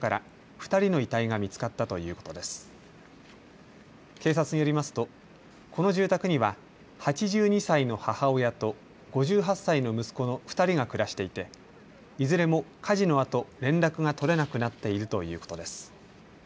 警察によりますとこの住宅には８２歳の母親と５８歳の息子の２人が暮らしていていずれも火事のあと連絡が取れなくなっているということです。